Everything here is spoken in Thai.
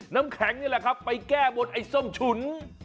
น้ำแข็งนี่แหละครับไปแก้บนไอ้ส้มฉุน